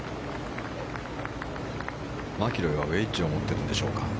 マキロイはウェッジを持ってるんでしょうか。